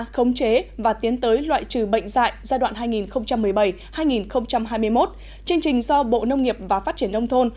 khống chế và tiến tới loại trừ bệnh dạy giai đoạn hai nghìn một mươi bảy hai nghìn hai mươi một chương trình do bộ nông nghiệp và phát triển nông thôn